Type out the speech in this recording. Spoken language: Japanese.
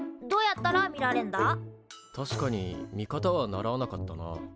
確かに見方は習わなかったな。